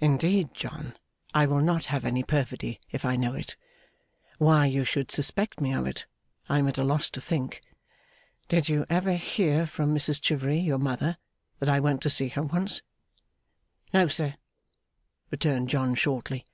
'Indeed, John, I will not have any perfidy if I know it; why you should suspect me of it I am at a loss to think. Did you ever hear from Mrs Chivery, your mother, that I went to see her once?' 'No, sir,' returned John, shortly.